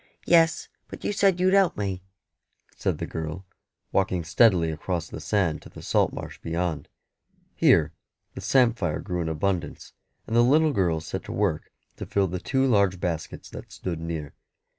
"Yes, but you said you'd help me," said the girl, walking steadily across the sand to the salt marsh beyond. Here the samphire grew in abundance, and the little girl set to work to fill the two large baskets that stood near.